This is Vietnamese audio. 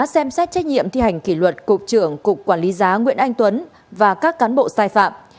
xem xét trách nhiệm thi hành kỷ luật cục trưởng cục quản lý giá nguyễn anh tuấn và các cán bộ sai phạm